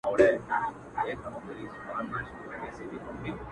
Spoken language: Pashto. درومم چي له ښاره روانـــــېـــږمــــه.